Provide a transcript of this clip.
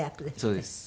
そうです。